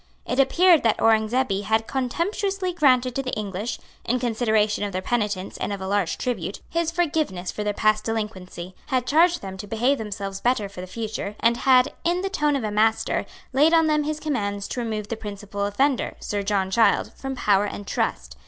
It appeared that Aurengzebe had contemptuously granted to the English, in consideration of their penitence and of a large tribute, his forgiveness for their past delinquency, had charged them to behave themselves better for the future, and had, in the tone of a master, laid on them his commands to remove the principal offender, Sir John Child, from power and trust.